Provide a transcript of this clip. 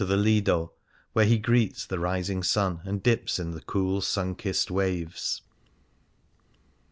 Fasts and Festivals Lido, where he greets the rising sun, and dips in the cool, sun kissed waves.